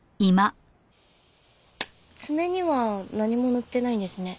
爪には何も塗ってないんですね。